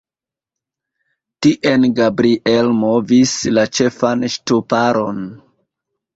Tien Gabriel movis la ĉefan ŝtuparon.